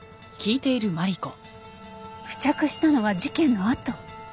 付着したのは事件のあと。